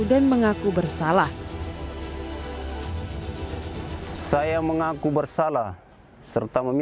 dan mengaku bersalah